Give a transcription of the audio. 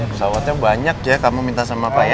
pesawatnya banyak ya kamu minta sama pak ya